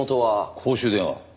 公衆電話。